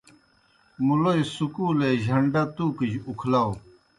مُلوئے سُکولے جھنڈا تُوکِجیْ اُکھلاؤ۔